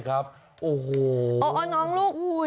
อ่ะน้องลูก